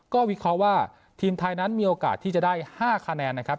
ก็วิเคราะห์ว่าทีมไทยนั้นมีโอกาสที่จะได้๕คะแนนนะครับ